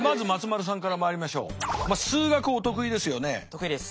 得意です。